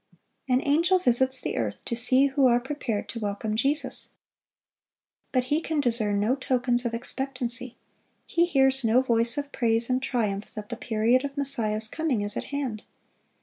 An angel visits the earth to see who are prepared to welcome Jesus. But he can discern no tokens of expectancy. He hears no voice of praise and triumph, that the period of Messiah's coming is at hand.